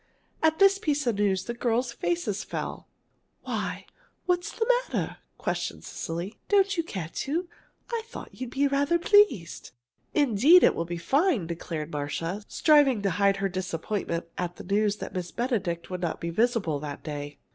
At this piece of news the girls' faces fell. "Why, what's the matter?" questioned Cecily. "Don't you care to? I thought you'd be rather pleased." "Indeed, it will be fine!" declared Marcia, striving to hide her disappointment at the news that Miss Benedict would not be visible that day.